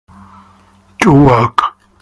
To work.